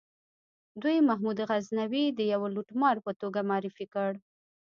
دوی محمود غزنوي د یوه لوټمار په توګه معرفي کړ.